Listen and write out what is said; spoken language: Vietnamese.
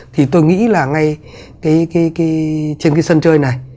thì tôi nghĩ là ngay trên cái sân chơi này